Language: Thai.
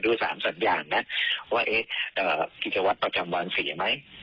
ดูสามสัญญาณนะว่ากิจวัตรประจำวันศรีไหม